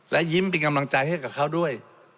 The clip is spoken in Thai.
และยิ้มเป็นกำลังใจให้กับเขาด้วย